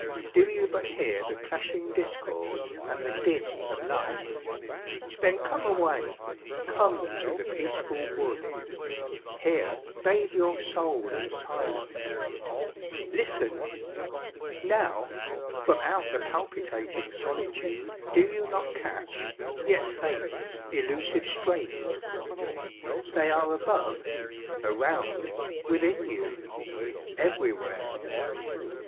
Do you but hear the clashing discords and the din of life? Then come away, come to the peaceful wood, Here bathe your soul in silence. Listen! Now, From out the palpitating solitude Do you not catch, yet faint, elusive strains? They are above, around, within you, everywhere.